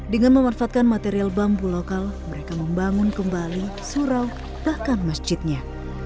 dengan memanfaatkan material bambu lokal mereka membangun kembali surau bahkan masjidnya